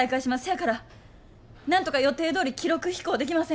そやからなんとか予定どおり記録飛行できませんか。